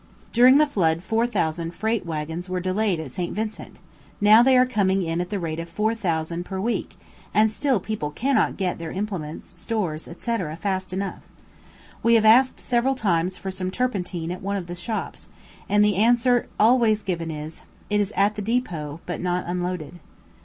During the flood 4,000 freight waggons were delayed at St. Vincent; now they are coming in at the rate of 4,000 per week, and still people cannot get their implements, stores, &c. fast enough. We have asked several times for some turpentine at one of the shops, and the answer always given is, "It is at the depot, but not unloaded."